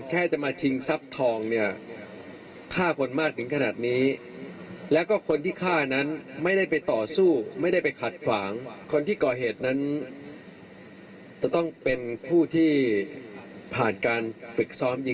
หรือมือปืนรับจ้างที่แอบไปซ้อมยิงปืนได้บ่อยก็อาจจะเป็นได้